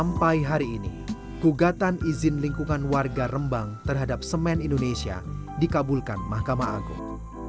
sampai hari ini gugatan izin lingkungan warga rembang terhadap semen indonesia dikabulkan mahkamah agung